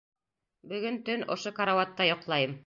Бөгөн төн ошо карауатта йоҡлайым.